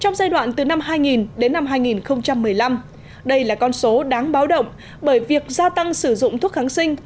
gần từ năm hai nghìn đến năm hai nghìn một mươi năm đây là con số đáng báo động bởi việc gia tăng sử dụng thuốc kháng sinh